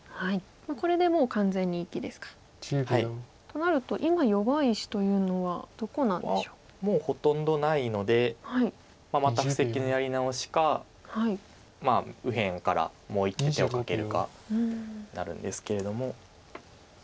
となると今弱い石というのはどこなんでしょう？はもうほとんどないのでまた布石のやり直しか右辺からもう一手手をかけるかなるんですけれども。